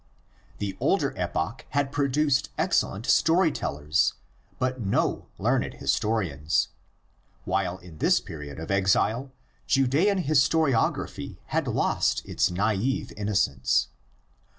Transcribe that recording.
The older epoch had produced excellent story tellers, but no learned historians; while in this period of exile Judaean historiography had lost its naive innocence.